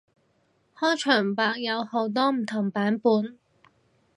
開場白有好多唔同版本